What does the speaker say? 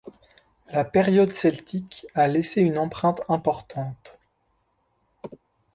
La période celtique a laissé une empreinte importante.